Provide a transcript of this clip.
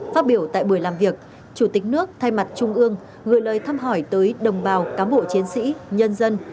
phát biểu tại buổi làm việc chủ tịch nước thay mặt trung ương gửi lời thăm hỏi tới đồng bào cán bộ chiến sĩ nhân dân